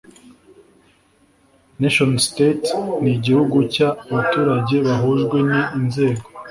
nation state n igihugu cy abaturage bahujwe n inzego